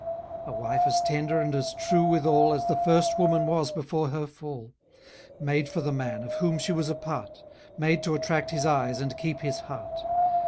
A wife as tender, and as true withal, As the first woman was before her fall: Made for the man, of whom she was a part; Made to attract his eyes, and keep his heart.